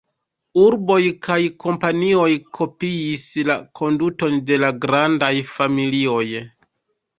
Urboj kaj kompanioj kopiis la konduton de la grandaj familioj.